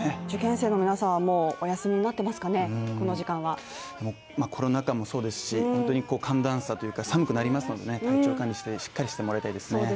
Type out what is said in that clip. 受験生の皆さんはもうお休みになってますかねコロナ禍もそうですし本当に寒暖差というか寒くなりますので、体調管理しっかりしてもらいたいですね